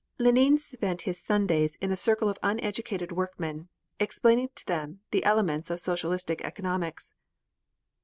Lenine spent his Sundays in a circle of uneducated workmen, explaining to them the elements of socialistic economics.